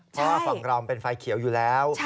เพราะว่าฝั่งเรามันเป็นไฟเขียวอยู่แล้ว